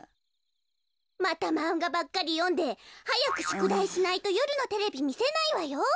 またまんがばっかりよんではやくしゅくだいしないとよるのテレビみせないわよ。